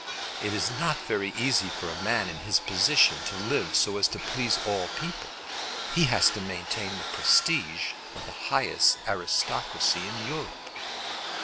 It is not very easy for a man in his position to live so as to please all people. He has to maintain the prestige of the highest aristocracy in Europe."